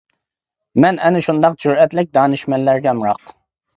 مەن ئەنە شۇنداق جۈرئەتلىك دانىشمەنلەرگە ئامراق.